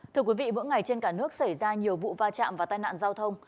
thưa quý vị mỗi ngày trên cả nước xảy ra nhiều vụ va chạm và tai nạn giao thông